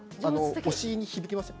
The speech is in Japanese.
お尻に響きません？